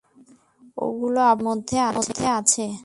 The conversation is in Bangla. ওগুলো আবর্জনা মধ্যে আছে।